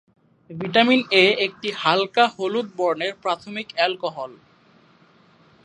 Vitamin A একটি হালকা হলুদ বর্ণের প্রাথমিক অ্যালকোহল।